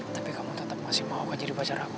tapi kamu tetap masih maukan jadi pacar aku